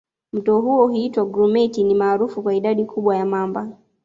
Mto huo huitwa Grumeti ni maarufu kwa idadi kubwa ya mamba